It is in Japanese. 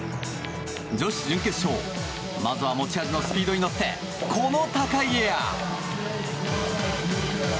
女子準決勝まずは持ち味のスピードに乗ってこの高いエア。